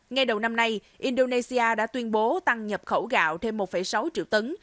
ngay đầu năm nay indonesia đã tuyên bố tăng nhập khẩu gạo thêm một sáu triệu tấn